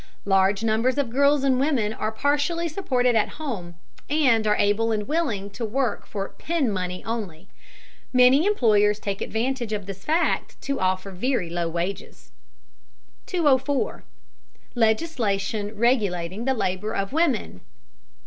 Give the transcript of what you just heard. Large numbers of girls and women are partially supported at home, and are able and willing to work for "pin money" only. Many employers take advantage of this fact to offer very low wages. 204. LEGISLATION REGULATING THE LABOR OF WOMEN.